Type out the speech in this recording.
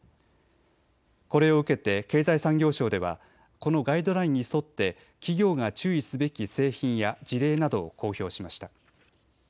これを受けて経済産業省ではこのガイドラインに沿って企業が注意すべき製品や事例などを公表しました。